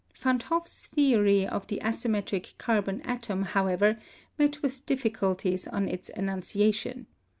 Van't Hoff's theory of the asymmetric carbon atom, however, met with difficulties on its enunciation.